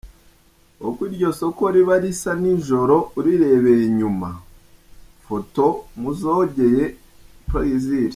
Uko iryo soko riba risa nijoro urirebeye inyuma: Photos: Muzogeye Plaisir .